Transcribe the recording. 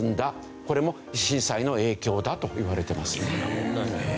これも震災の影響だといわれています。